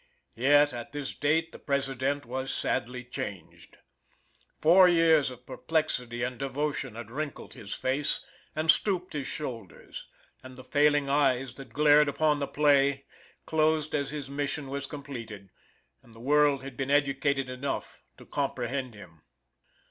Yet, at this date, the President was sadly changed. Four years of perplexity and devotion had wrinkled his face, and stooped his shoulders, and the failing eyes that glared upon the play closed as his mission was completed, and the world had been educated enough to comprehend him.